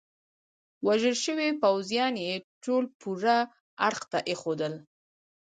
وژل شوي پوځیان يې ټول یوه اړخ ته ایښودل.